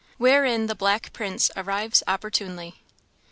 Wherein the black Prince arrives opportunely.